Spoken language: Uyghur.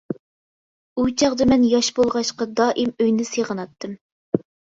ئۇ چاغدا مەن ياش بولغاچقا دائىم ئۆينى سېغىناتتىم.